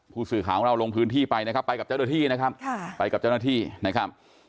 ผู้สื่อขาของเราลงพื้นที่ไปนะครับไปกับเจ้าหน้าที่นะครับค่ะ